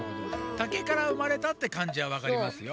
たけからうまれたってかんじはわかりますよ。